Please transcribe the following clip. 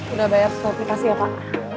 udah bayar stokit kasih ya pak